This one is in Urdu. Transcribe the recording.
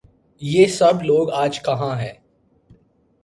یہ سب لوگ آج کہاں ہیں؟